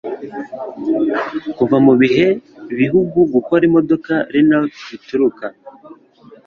Kuva Mubihe Bihugu Gukora Imodoka Renault Bituruka